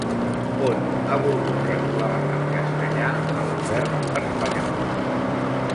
On ha volgut retolar en castellà el govern espanyol?